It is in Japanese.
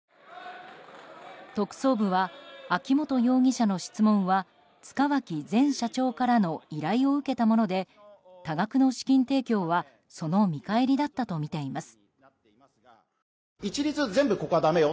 特捜部は秋本容疑者の質問は塚脇前社長からの依頼を受けたもので多額の資金提供はその見返りだったとみています。